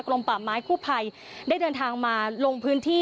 ลมป่าไม้คู่ภัยได้เดินทางมาลงพื้นที่